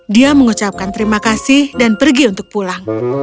dia mengucapkan terima kasih dan pergi untuk pulang